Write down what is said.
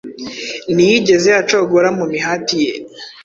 ntiyigeze acogora mu mihati ye